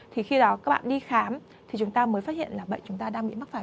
thì khi đó các bạn đi khám thì chúng ta mới phát hiện là bệnh chúng ta đang bị mắc phải